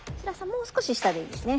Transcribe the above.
もう少し下でいいですね。